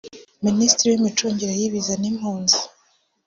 Minisitiri w’imicungire y’ibiza n’impunzi